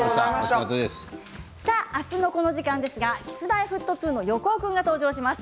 明日のこの時間はＫｉｓ−Ｍｙ−Ｆｔ２の横尾君が登場します。